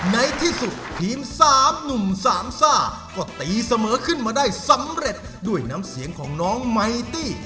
ในที่สุดทีม๓หนุ่มสามซ่าก็ตีเสมอขึ้นมาได้สำเร็จด้วยน้ำเสียงของน้องไมตี้